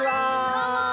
どうも！